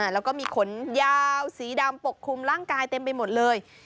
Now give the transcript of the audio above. แล้วก็มีขนยาวสีดำปกคลุมร่างกายเต็มไปหมดเลย